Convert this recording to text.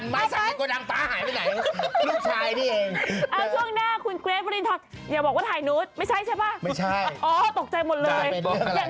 ไม่ใช่อ๋อตกใจหมดเลย